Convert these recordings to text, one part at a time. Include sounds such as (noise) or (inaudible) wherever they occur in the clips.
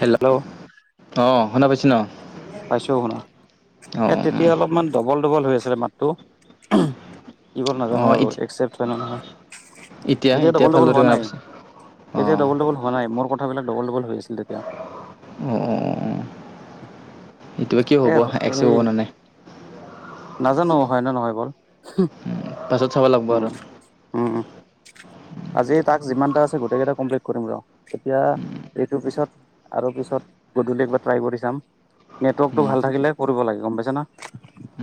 Hello, অ শুনা পাইছে নহ পাইছো শুনা, এ অঁ তেতিয়া অলপমান ডবল ডবল হৈ আছিলে মাতটো কি কৰিব নাজানো অঁ আৰু একচেপ্ট হয় নে নহয় এতিয়া ডাবল ডাবল ভালদৰে হোৱা শুনা নাই, পাইছে এতিয়া অঁ ডাবল ডাবল হোৱা নাই, মোৰ কথাবিলাক ডাবল ডবল হৈ আছিল তেতিয়া অহ এই হেৰী, নাজানো হয় নে নহয় পাছত চাব লাগব আৰু উম, উম। আজি টাস্ক যিমানটা আছে, গোটেই কেইটা কমপ্লিট কৰিম ৰ, তেতিয়া এইটোৰ পিছত আৰু পিছত গধূলি একবাৰ ট্ৰাই কৰি চাম। নেটৱৰ্কটো উম, ভাল থাকিলে কৰিব লাগব, গম পাইছে না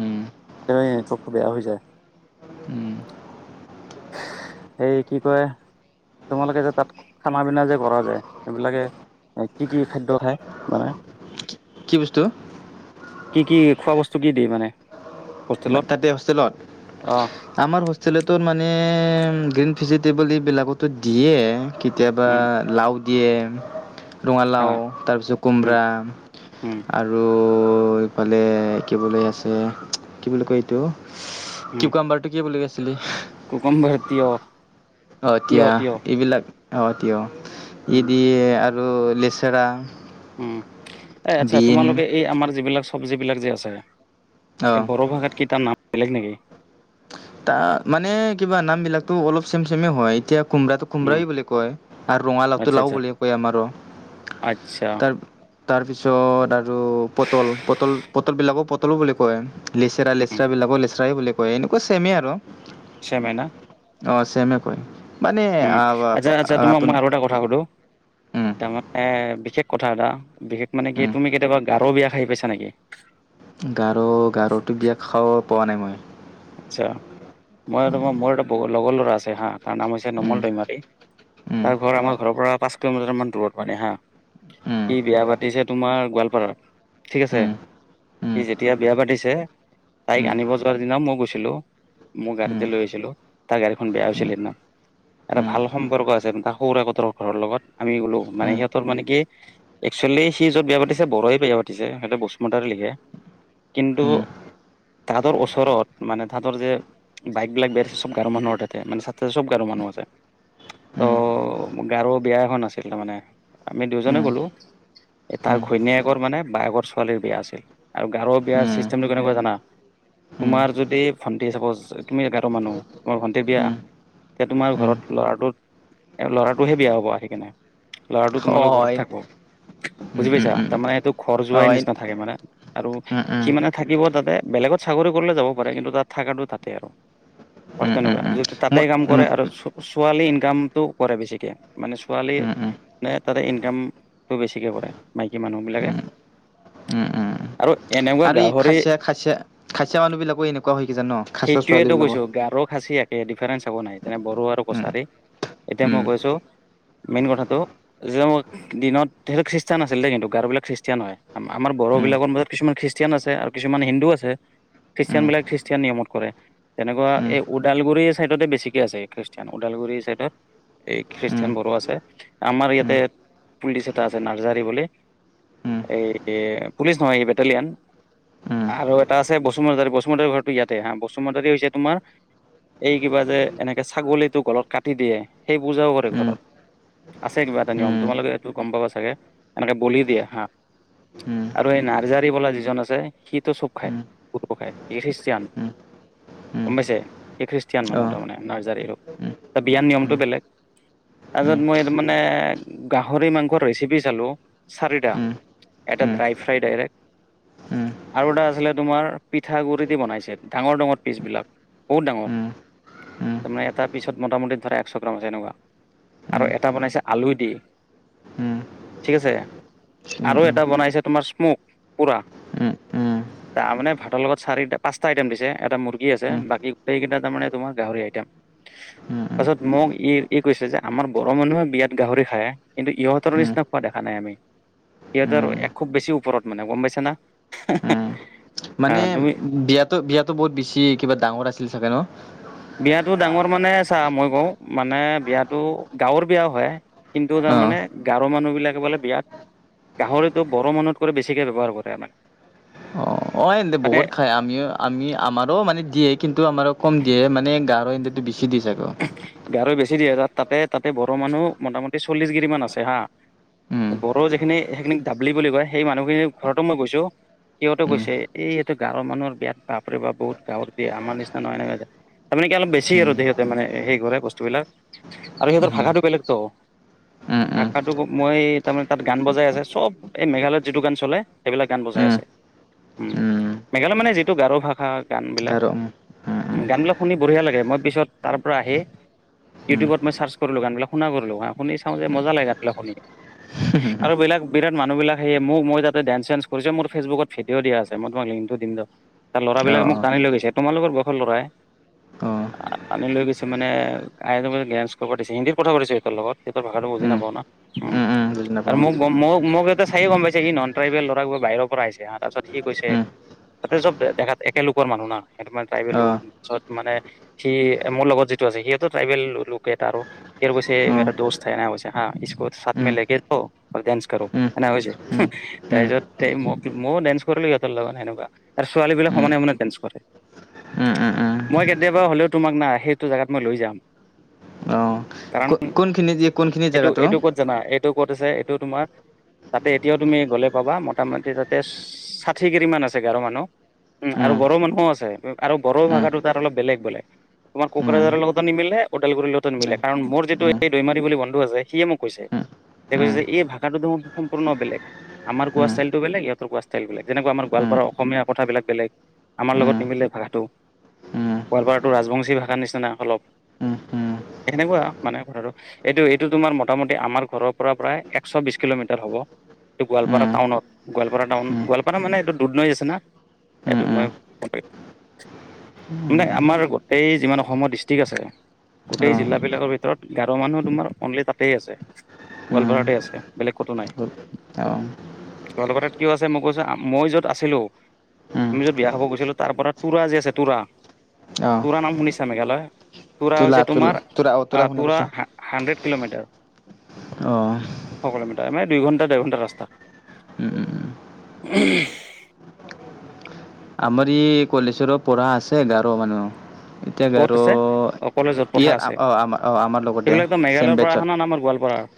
উম, সেই নেটৱৰ্কটো বেয়া হৈ যায়। (unintelligible) এই কি কয়, তোমালোকে যে তাত খানা পিনা যে কৰা যে সেইবিলাকে কি কি খাদ্য খায়, মানে কি বস্তু? কি কি, খোৱা বস্তু কি দিয়ে মানে? হোষ্টেলত তাতে হোষ্টেলত অ আমাৰ হোষ্টেলতটো মানে, গ্ৰীণ ভেজিটেবল এইবিলাকতো দিয়ে। কেতিয়াবা উম লাউ দিয়ে, হা ৰঙালাউ তাৰপিছত উম কোমৰা উম আৰু এইফালে কি বুলি আছিলে কি বুলি কয় এইটো, কিউ কাম্বাৰটো কি বুলি আছিলে গম পাইছোঁ, টিয়হ অ এতিয়া, এইবিলাক অ টিয়হ, ই উম দিয়ে আৰু আৰু লেছেৰা উম, এ আচ্ছা, তোমালোকে এই আমাৰ যিবিলাক চব্জি বিলাক যে আছে। এই অ' বড়ো ভাষাত কেইটা নাম বেলেগ নেকি? তাৰ মানে, কিবা নাম বিলাকতো অলপ চেম চেমে হয়, এতিয়া কোমৰাটো উম কোমৰাই বুলি কয়, আৰু ৰঙালাউটো আচ্ছা লাও আচ্ছা বুলি কয় আমাৰো, আচ্ছা তাৰ তাৰ পিছত আৰু পটল, পটল পটল বিলাকো পটল বুলি কয়। লেচেৰা উম লেচেৰাবিলাকো লেচেৰাই বুলি কয়, এনেকুৱা ছেমেই আৰু ছেমেই নহ অ, ছেমে কয়। মানে উম, আচ্ছা-আচ্ছা, তোমাক আপুনি মই আৰু এটা কথা সুধো? (unintelligible) উম তাৰমানে বিশেষ কথা এটা বিশেষ মানে কি উম তুমি কেতিয়াবা গাৰুৰ বিয়া খাই পাইছা নেকি? (unintelligible) গাৰু-গাৰুটো বিয়া খাব পোৱা নাই মই? (unintelligible) আচ্ছা মই তোমাৰ মোৰ এটা লগৰ ল'ৰা আছে হা? (unintelligible) তাৰ নাম হৈছে উম নোমল দৈমাৰী উম তাৰ ঘৰ আমাৰ ঘৰৰ পৰা পাঁচ কিলোমিটাৰ মান দূৰত মানে হা। (unintelligible) উম সি বিয়া পাতিছে তোমাৰ গোৱালপাৰা। (unintelligible) ঠিক আছে। সি যেতিয়া বিয়া পাতিছে তাইক আনিব যোৱাৰ দিনা মোক (unintelligible) গৈছিলো। মোৰ গাড়ীতে লৈ গৈছিলো, তাৰ গাড়ীখন বেয়া হৈছিলে সেইদিনা। (inaudible) এটা ভাল সম্পৰ্ক আছে তাকো সৌৰা সোতৰ ঘৰৰ লগত আমি গলো মানে সিহঁতৰ মানে কি (unintelligible) একচুৱেলি সি য'ত বিয়া পাতিছে বড়োৱে বিয়া পাতিছে সিহঁতে বসুমতাৰীয়ে লিখে। কিন্তু (unintelligible) তাহাঁতৰ ওচৰত (unintelligible) মানে তাঁহাতৰ যে বাইকবিলাক বিয়া দিছে চব গাৰু মানুহৰ তাতে মানোতে চব গাঁৰু মানুহ আছে। (unintelligible) ত' গাৰু বিয়া এখন আছিল তাৰ মানে আমি দুয়োজনে গলোঁ। (unintelligible) তাৰ ঘৈণীয়েকৰ মানে বায়েকৰ ছোৱালীৰ বিয়া আছিল। (inaudible) আৰু গাৰুৰ বিয়াৰ চিষ্টেমটো কেনেকুৱা জানা? (unintelligible) হুম (inaudible) তোমাৰ যদি ভণ্টি চাপজ তুমি গাৰু মানুহ তোমাৰ ভণ্টি বিয়া (unintelligible) এতিয়া তোমাৰ ঘৰত ল'ৰাটোত ল'ৰাটোহে বিয়া হ'ব আহি কিনে। (inaudible) ল'ৰাটো তোমালোকৰ ঘৰত থাকিব। (unintelligible) বুজি পাইছা তাৰমানে এইটো ঘৰ যোৱাই নিচিনা থাকে মানে আৰু সি মানে (unintelligible) থাকিব তাতে বেলেগত চাকৰি কৰিলে যাব পাৰে কিন্তু তাত থকাটো তাতে আৰু। (unintelligible) পাৰ্ত নব আৰু যদি মই তাতেই কাম কৰে আৰু (unintelligible) ছোৱালী ইনকামটো কৰে বেছিকে মানে ছোৱালীৰ (unintelligible) নে তাতে ইনকামটো বেছিকৈ কৰে মাইকী মানুহবিলাকে? (unintelligible) উম-উম। (unintelligible) আৰু এনেও (unintelligible) আৰু এই খাচীয়া-খাচীয়া-খাচীয়া মানুহবিলাকো এনেকুৱা হয় কি জান ন? (unintelligible) সেইটোৱেইতো কৈছো গাৰৰ খাচীয়া (unintelligible) ডিফাৰেঞ্চ একো নাই যেনে বড়ো আৰু উম কছাৰী এতিয়া মই উম কৈছোঁ মেইন কথাটো (unintelligible) যেতিয়া মই (unintelligible) দিনত খ্ৰীষ্টান আছিল দেই কিন্তু গাৰুবিলাক খ্ৰীষ্টিয়ান হয়। আমাৰ বড়ো উম বিলাকৰ মাজত কিছুমান খ্ৰীষ্টান (unintelligible) খ্ৰীষ্টিয়ান আছে আৰু কিছুমান হিন্দু আছে। উম খ্ৰীষ্টিয়ান বিলাক খ্ৰীষ্টান নিয়ম (unintelligible) কৰে তেনেকুৱা উম এই উদালগুৰিৰ চাইডতে বেছিকে আছে খ্ৰীষ্টিয়ান ওদালগুৰি চাইডত। (unintelligible) এই খ্ৰীষ্টান বড়ো আছে। আমাৰ উম উম উম উম উম উম ইয়াতে পুলিচ এটা আছে নাৰ্জাৰী বুলি (unintelligible) এই পুলিচ নহয় এই বেটেলিয়ান। (unintelligible) আৰু এটা আছে বসুমতাৰী। বসুমতাৰীৰ ঘৰটো ইয়াতে হা, বসুমতাৰী হৈছে তোমাৰ (unintelligible) এই কিবা যে এনেকে ছাগলীটো গলত কাটি দিয়ে সেই পূজাও কৰে উম ঘৰত। (unintelligible) আছে কিবা এটা নিয়ম। তোমালোকে এইটো গম পাবা চাগে এনেকে বলি দিয়ে হা (unintelligible) আৰু এই নাৰ্জাৰী বোলা যিজন আছে সিটো চব খায় (unintelligible) খায়, সি খ্ৰীষ্টান। (inaudible) উম উম উম গম পাইছে এই খ্ৰীষ্টিয়ান অ মানুহ তাৰ মানে নাৰ্জাৰী হক তাৰ বিয়াৰ উম নিয়মটো বেলেগ। (unintelligible) উম তাৰপিছত মই মানে গাহৰি মাংসৰ ৰেচিপি চালোঁ চাৰিটা। (inaudible) উম এটা ড্ৰাই ফ্ৰাই ডাইৰেক্ট আৰু এটা আছিলে তোমাৰ পিঠা গুড়ি দি বনাইছিল। (inaudible) ডাঙৰ-ডাঙৰ পিচবিলাক, বহুত ডাঙৰ। (unintelligible) তাৰমানে এটা পিছত মোটামুটি ধৰা একশ গ্ৰাম তেনেকুৱা (unintelligible) আৰু এটা বনাইছে আলু দি। (unintelligible) ঠিক আছে। আৰু এটা বনাইছে তোমাৰ স্মোক-পোৰা। তাৰমানে ভাতৰ লগত চাৰিটা, পাঁচ টাইটেম দিছে। এটা মুৰ্গী আছে, বাকী গোটেইকেইটা তাৰমানে তোমাৰ গাহৰি আইটেম। পাছত মোক ই ই কৈছে যে- আমাৰ বড়োমানুহে বিয়াত গাহৰি খায়। কিন্তু ইহঁতৰ নিচিনা খোৱা দেখা নাই আমি। সিহঁতৰ এক খুব বেছি ওপৰত মানে। গম পাইছা না? মানে আহ তুমি বিয়াতো, বিয়াতো বহুত বেছি কিবা ডাঙৰ আছিল চাগে ন'? বিয়াটো ডাঙৰ মানে চা মই কওঁ, মানে বিয়াটো গাঁৱৰ বিয়া হয়। কিন্তু অ'। তাৰমানে গাৰো মানুহবিলাকে বোলে বিয়াত গাহৰিটো বড়ো মানুহত কৰি বেছিকৈ ব্যৱহাৰ কৰে আমাৰ। অ', অ', এনডে বহুত খাই। আমিও আমি আমাৰো মানে দিয়ে, কিন্তু আমাৰো কম দিয়ে। মানে গাৰ' ইণ্ড্ৰটো বেছি দি চাগৈ। গাৰৈ বেছি দিয়ে। তাতে তাতে বৰো' মানুহ মটা মুটিচল্লিশ গিৰি মান আছে হা। উম, বড়ো যিখিনি সেইখিনিক দাবলি বুলি কয়, সেই মানুহখিনিৰ ঘৰতো মই গৈছো। সিহঁতেও উম, গৈছে এই এইটো গাঁৱৰ মানুহৰ বিয়াত বাপৰে বাপ বহুত গাঁৱত দিয়ে। আমাৰ নিচিনা নহয় (unintelligible) তাৰমানে কি অলপ বেছি উম, আৰু সিহঁতে মানে সেই কৰে বস্তুবিলাক। আৰু সিহঁতৰ উম, ভাষাটো বেলেগত'। উম, উম, ভাষাটো, মই তাৰমানে তাত গান বজাই আছে। চব এই মেঘালয়ত যিটো গান চলে, সেইবিলাক গান বজাই উম, আছে। হুম। উম। মেঘালয় মানে যিটো গাৰো ভাষা গানবিলাক। গাৰো উম, উম, উম, গানবিলাক শুনি বঢ়িয়া লাগে। মই পিছত তাৰ পৰা আহি উম, ইউটিউব মই চাৰ্চছ কৰলো। গান গিলাক শুনা কৰলোঁ, শুনি চাওঁ যে মজা লাগে গানবিলাক শুনি। (unintelligible) আৰু বিলাক বিৰাট মানুহ বিলাক সেয়ে। মোক মই তাতে ডেন্স চেঞ্চ কৰিছো। মোৰ ফেচবুকত ভিডিঅ' দিয়া আছে মই তোমাক লিংকটো দিম ৰ। তাৰ ল'ৰাবিলাকে মোক অ', টানি লৈ গৈছে, তোমালোকৰ বয়সৰ ল'ৰাএ। অ', অ', আনি লৈ গৈছে মানে (unintelligible) ডেন্স কৰবা দিছি। হিন্দীত কথা পাতিছোঁ সিহঁতৰ লগত, সিহঁতৰ ভাষাটো মই বুজি উম, নাপাওঁ না। অ'। উম, উম, বুজি আৰু নাপাওঁ। মোক মোক মোক এতে চায়ে গম পাইছে কি- নন ট্ৰাইবেল ল'ৰা (unintelligible) বাহিৰৰ পৰা আইছে আ তাৰপাছত সি কৈছে তাত সব দেখাত একে লোকৰ মানু্হ না। সেইতো মানে ট্ৰাইবেল (unintelligible) পিছত মানে সি মোৰ লগত যিটো আছে, সিওটো ট্ৰাইবেল লোকে তাৰো। সি আৰু কৈছে মেৰা দোস্ত হে- এনেকে কৈছে হা। ইছকো সাঠ মে লেকে যাও অউৰ ডেন্স কাৰো। (unintelligible) তাৰপিছত তে মোক ময়ো ডেন্স কৰিলো সিহঁতৰ লগত সেনেকুৱা। আৰু ছোৱালী বিলাক সমানে-সমানে ডেন্স কৰে। আ, আ, আ। মই কেতিয়াবা হ'লেও তোমাক না, সেইটো জেগাত মই লৈ যাম। অঁ, কো কাৰণ কোনখিনি যে কোনখিনি এইটো জেগাটো? এইটো ক'ত জানা? এইটো ক'ত আছে, এইটো তোমাৰ তাতে এতিয়াও তুমি গ'লে পাবা। মটামটি তাতে ষাঠি গিৰিমান আছে গাৰো মানুহ। উ, আৰু উম, বড়ো মানুহো আছে। আৰু বড়ো উম, ভাষাটো তাৰ অলপ বেলেগ বেলেগ। তোমাৰ উম, কোকৰাঝাৰৰ লগতো নিমিলে, ওদালগুৰিৰ লগতো নাই। নিমিলে কাৰণ মোৰ যিটো উম, এই দৈমাৰী বুলি বন্ধু আছে, সিয়ে মোক কৈছে। উম, তেওঁ কৈছে উম, যে- এই ভাষাটো দেকো সম্পূৰ্ণ বেলেগ। আমাৰ কোৱা ষ্টাইলটো বেলেগ, ইহঁতৰ কোৱা ষ্টাইলটো বেলেগ। যেনেকুৱা আমাৰ উম, গোৱালপাৰাৰ অসমীয়া কথাবিলাক বেলেগ। আমাৰ উম, উম, লগত নিমিলে ভাষাটো। উম, উম, গোৱালপাৰাটো ৰাজবংশী ভাষাৰ নিচিনা অলপ। উম, উম, এনেকুৱা মানে কথাটো। এইটো, এইটো তোমাৰ মটামটি আমাৰ ঘৰৰ পৰা প্ৰায় একশ বিশ কিলোমিটাৰ হ'ব। এইটো গোৱালপাৰা উম, টাউনত। গোৱালপাৰা টাউন, উম, গোৱালপাৰা মানে এইটো দুধনৈ আছে না? এ উম, দুধনৈ (unintelligible) মানে আমাৰ এই যিমান অসমত ডিষ্ট্ৰিক আছে। গোটেই অঁ, জিলাবিলাকৰ ভিতৰত গাৰো মানুহ তোমাৰ অনলি তাতেই আছে। উম, গোৱালপাৰাতে আছে বেলেগ কতো নাই। গ'ল। অঁ, গোৱালপাৰাত কিয় আছে মই কৈছো মই য'ত আছিলো উম, আমি য'ত বিয়া খাব গৈছিলো তাৰ পৰা তোৰা যে আছে তোৰা অঁ, তোৰা নাম শুনিছা মেঘালয়, তোৰা তোলা হৈছে তোলা তোমাৰ তোৰা অঁ শুনা তোৰা পাইছোঁ। হা হাণ্ড্ৰেড কিলোমিটাৰ। অ। শ কিলোমিটাৰ মানে দুই ঘণ্টা দেৰ ঘণ্টা ৰাস্তা। উম, উম, উম। আমাৰ ই কলেছৰ পঢ়া আছে গাৰো মানুহ। এতিয়া ক'ত গাৰ আছে অকলে য'ত পথাৰ ইয়াত আ আছে অ আম অ আমাৰ লগতে এইবিলাকতো মেঘালয়ৰ চেম পৰা অহা না আমাৰ গোৱালপাৰাৰ বেতছত।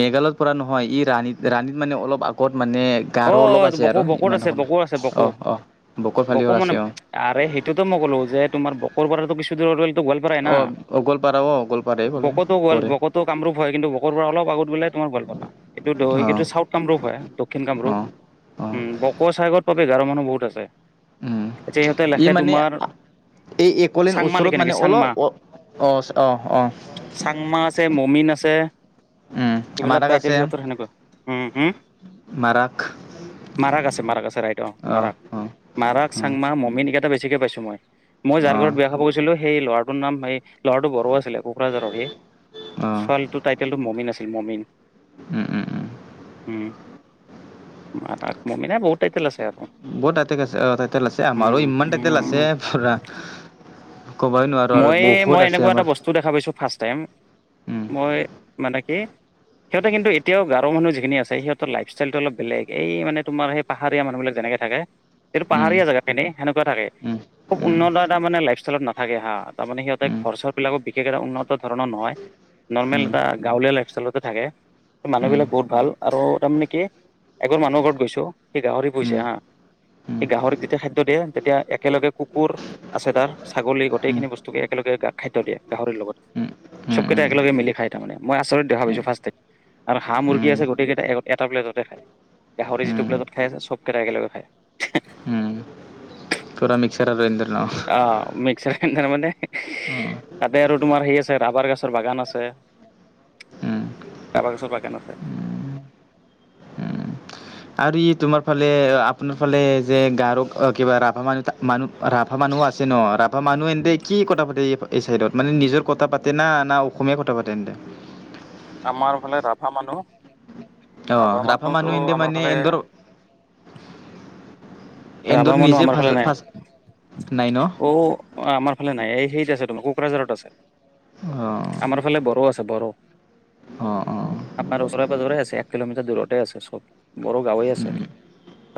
মেঘালয়ত পৰা নহয় ই ৰাণীত ৰাণীত মানে অলপ আগত মানে অ গাৰো অলপ আছে আৰ বকো বকোত ইমান আছে এখন বকো আছে অ বকো অ বকো ফালেও আছে, অ। আৰে সেইটোতো মই কলো যে তোমাৰ বকোৰ পৰাতো কিছ- (unintelligible) গোৱালপাৰাই না। অ' অ' গোৱালপাৰা অ' গোৱালপাৰাই বোলে বকতো পৰে গোৱালপাৰা বকৌত টো কামৰূপ হয় কিন্তু বকোৰ পৰা অলপ আগত বোলে তোমাৰ গোৱালপাৰা এইটো দৈ অ' এইটো চাউথ কামৰূপ হয় দক্ষিণ কামৰূপ। অ'। অ' উম বকো চাইগত পাবি গাৰো মানুহ বহুত আছে। উম, এতিয়া সিহঁতে ই লেখে মানে তোমাৰ আ এই একলেন চাংমা ওচৰত লিখে মানে নেকি অলপ চাংমা অ অ অ অ। চাংমা আছে মমিন আছে উম, এইবিলাক মাৰাক টাইটেল আছে সিহঁতৰ সেনেকুৱা (unintelligible) মাৰাক। মাৰাক আছে মাৰাক আছে ৰাইট অ মাৰাক, মাৰাক চাংমা মমিনকেইটা বেছিকৈ পাইছো মই। মই যাৰ অ' অ'। ঘৰত বিয়া খাব গৈছিলো, সেই ল'ৰাটোৰ নাম সেই ল'ৰাটো বড়ো আছিলে কোকৰাঝাৰৰ এ। অ', ছোৱালীটোৰ টাইটেলটো মমিন আছিল মমিন। উম, উম, উম, উম। মাৰাক মমিনে বহুত টাইটল আছে আৰু। বহুত টাইটেক আছে অ টাইতেল আছে আমাৰো উম ইমান টাইতেল আছে উম পুৰা। ক'বই নোৱাৰো আৰু বহুত আছে আমাৰ। চ দেখা পাইছো ফাষ্ট টাইম। উম, মই মানে কি সিহঁতে কিন্তু এতিয়াও গাঁৱৰ মানুহ যিখিনি আছে সিহঁতৰ লাইফষ্টাইলটো অলপ বেলেগ এই মানে তোমাৰ সেই পাহাৰীয়া মানুহ বিলাক যেনেকে থাকে, সেইটো উম, পাহাৰীয়া জেগাখিনি সেনেকুৱা থাকে। উম, খুব উন্নত এটা মানে লাইফ ষ্টাইলত নাথাকে হা তামানে সিহঁতে উম, উম, ঘৰ চৰবিলাকো বিশেষ এটা উন্নত ধৰণৰ নহয়। নৰ্মেল উম, এটা গাঁৱলীয়া লাইফষ্টাইলতে থাকে উম, উম, মানুহবিলাক বহুত ভাল আৰু তাৰমানে কি? এঘৰ মানুহৰ ঘৰত গৈছো, সি গাহৰি উম, পুইছে হা! উম, সেই গাহৰিক যেতিয়া খাদ্য দিয়ে তেতিয়া একেলগে কুকুৰ আছে তাৰ ছাগলী উম, উম, উম, গোটেইখিনি বস্তুকে একেলগে খাদ্য দিয়ে গাহৰিৰ লগত। উম, উম, উম, চবকেইটা উম, একেলগ মিলি খাই তাৰ মানে মই আচৰিত দেখা পাইছো ফাষ্ট টাইম। আৰু হাঁ-মুৰ্গী আছে গোটেইকেইটা এটা প্লেটতে খায়। গাহৰি যিটো প্লেটত খাই চবকেইটা একেলগে খায়। হুম। পুৰা মিক্সৰ আৰ এন্দৰ ন অ মিক্সাৰ গ্ৰাইণ্ডাৰ মানে উম, তাতে আৰু তোমাৰ সেই আছে ৰাবাৰ গছৰ বাগান আছে। (inaudible) ৰাবাৰ গছৰ বাগান আছে। উম। আৰু ই তোমাৰ ফালে আপোনাৰ ফালে যে গাৰোক কিবা ৰাভা মানুহ তা মানুহ ৰাভা মানুহো আছে ন, ৰাভা মানুহ এনেতে কি কথা পাতে এই এই চাইডত, মানে নিজৰ কথা পাতে না না অসমীয় কথা পাতে তেন্তে আমাৰ ফালে ৰাভা মানুহ অ ৰাভা মানুহ মানুহত এন্তে আমাৰ মানে ফালে এন্দৰ ৰাভা এন্দৰ মানুহ নিজে আমাৰ ফাল ভাষা নাই ভাষা নাই ন অ' অ আমাৰ ফালে নাই এই সেই আছে তোমাৰ কোকৰাঝাৰত আছে অ আমাৰ ফালে বড়ো আছে বড়ো অ অ আমাৰ ওচৰে পাজৰে আছে এক কিলোমিটাৰ দূৰতে আছে চব বড়ো গাঁৱে আছে এইটো,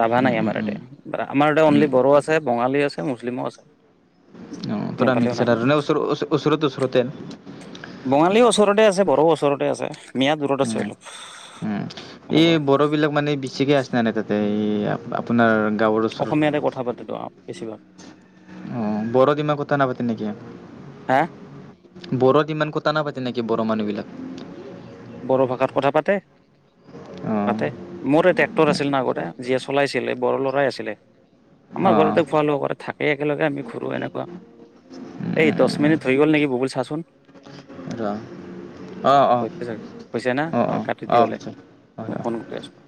ৰাভা উম নাই উম আমাৰ উম ইয়াতে? আমাৰ এটা উম অনলি বড়ো আছে, বঙালী আছে, মুছলিমো আছে! পূৰা নেপালীও নাই মিক্সাৰ আৰু না ওচ ওচৰতে ওচৰতে বঙালীও ওচৰতে আছে বড়ো ওচৰতে আছে মিয়া দূৰত আছে উম অলপ উম এই এনেকুৱা। বড়ো বিলাক মানে বেছিকে আছেনে নাই তাতে এই আপোনাৰ গাঁৱৰ ওচৰত অসমীয়াতে কথা পাতিলো আও, বেছিভাগ বৰদিমা কথা নাপাতে নেকি? হা বড়োত ইমান কথা নাপাতে নেকি বড়োৰ মানুহবিলাক বড়ো ভাষাত কথা পাতে। অঁ পাতে মোৰ এ ট্ৰেক্টৰ আছিল না আগতে যিয়ে চলাইছিলে বড়ো ল'ৰাই আছিলে। আমাৰ অঁ ঘৰতে খোৱা লোৱা কৰে থাকেই একেলগে আমি ঘূৰো এনেকুৱা। এই দহ মিনিট হৈ গ'ল নেকি বুবুল চাচোন? ৰ অ অ হৈছে, হৈছে না অ কাটি দি হ'লে অঁ মই অঁ ফোন কৰি আছো।